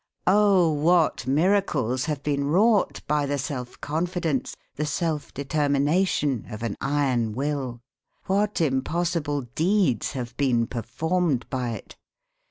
Oh, what miracles have been wrought by the self confidence, the self determination of an iron will! What impossible deeds have been performed by it!